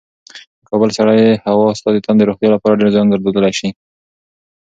د کابل سړې هوا ستا د تن د روغتیا لپاره ډېر زیان درلودلی شي.